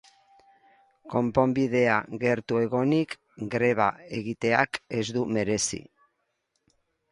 Konponbidea gertu egonik, greba egiteak ez du merezi.